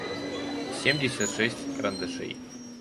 семьдесят шесть карандашей